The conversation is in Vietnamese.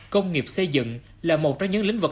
công nghiệp xây dựng là một trong những lĩnh vực